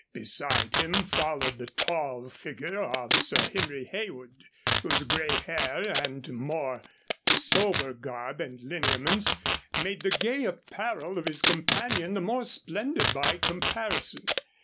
Behind him followed the tall figure of Sir Henry Heywood, whose gray hair and more sober garb and lineaments made the gay apparel of his companion the more splendid by comparison.